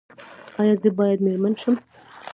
ایا زه باید میرمن شم؟